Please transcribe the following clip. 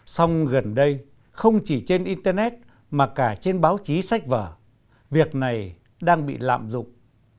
xong gần đây không chỉ trên internet mà cả trên báo chí sách vở việc này đang bị lạm dụng